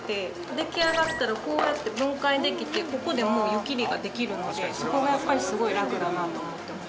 出来上がったらこうやって分解できてここでもう湯切りができるのでそこがやっぱりすごいラクだなと思ってます。